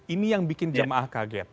ini yang bikin jamaah kaget